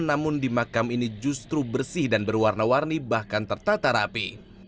namun di makam ini justru bersih dan berwarna warni bahkan tertata rapi